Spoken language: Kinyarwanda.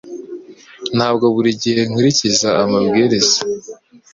Ntabwo buri gihe nkurikiza amabwiriza